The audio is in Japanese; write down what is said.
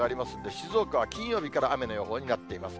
静岡は金曜日から雨の予報になっています。